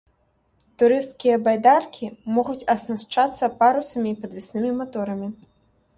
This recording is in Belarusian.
Турысцкія байдаркі могуць аснашчацца парусамі і падвеснымі маторамі.